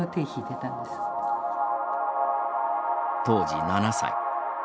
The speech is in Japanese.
当時７歳。